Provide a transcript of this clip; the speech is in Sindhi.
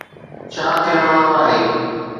ڇا ٿيڻ وارو آهي؟